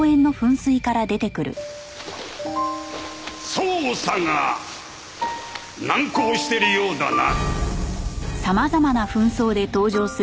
捜査が難航してるようだな。